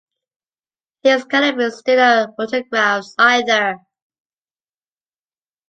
These cannot be studio photographs either.